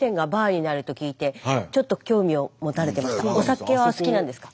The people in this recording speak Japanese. お酒はお好きなんですか？